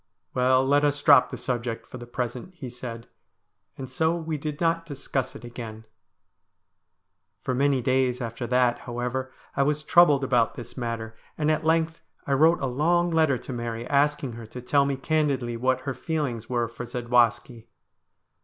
' Well, let us drop the subject for the present,' he said ; and so we did not discuss it again. For many days after that, however, I was troubled about this matter, and at length I wrote a long letter to Mary asking her to tell me candidly what her feelings were for Zadwaski.